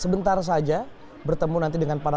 sebentar saja bertemu nanti dengan para